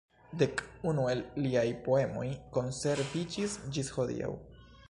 Dek unu el liaj poemoj konserviĝis ĝis hodiaŭ.